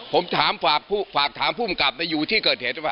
ผมถามฝากฝากฝากคือผมกลับใบอยู่ที่สเกิดเหตุอะไรวะ